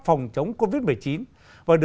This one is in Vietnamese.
phòng chống covid một mươi chín